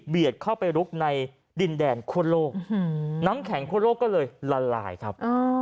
เข้าไปลุกในดินแดนคั่วโลกน้ำแข็งคั่วโลกก็เลยละลายครับ